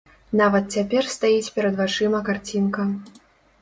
Нават цяпер стаіць перад вачыма карцінка.